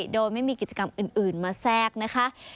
โดยไม่มีกิจกรรมอื่นมาแทรกนะคะ